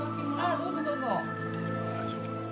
どうぞ、どうぞ。